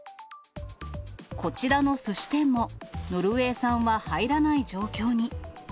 こちらのすし店も、ノルウェー産は入らない状況に。